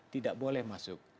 tidak boleh masuk